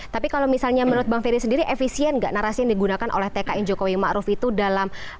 tapi kalau misalnya menurut bang ferry sendiri efisien nggak narasi yang digunakan oleh tkn jokowi ⁇ maruf ⁇ itu dalam